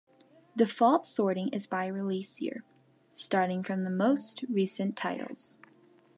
Default sorting is by release year, starting from the most recent titles.